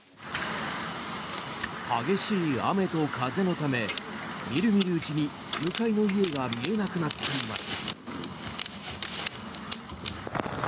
激しい雨と風のため見る見るうちに向かいの家が見えなくなっています。